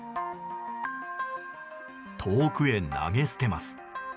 遠くへ投げ捨てます。